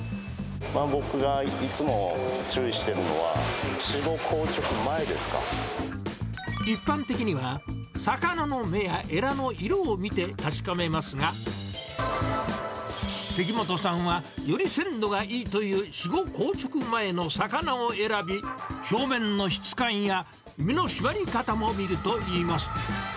僕がいつも注意してるのは、一般的には、魚の目やえらの色を見て確かめますが、関本さんはより鮮度がいいという、死後硬直前の魚を選び、表面の質感や身の締まり方も見るといいます。